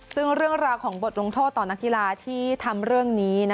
ซึ่งเรื่องราวของบทลงโทษต่อนักกีฬาที่ทำเรื่องนี้